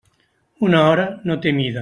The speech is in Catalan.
Una hora no té mida.